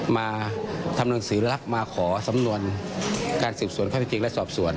มาทำหนังสือรับมาขอสำนวนการสืบสวนข้อที่จริงและสอบสวน